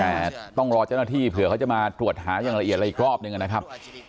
แต่ต้องรอเจ้าหน้าที่เผื่อเขาจะมาตรวจหาอย่างละเอียดอะไรอีกรอบหนึ่งนะครับ